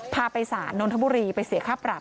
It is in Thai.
พาไปสารนนทบุรีไปเสียค่าปรับ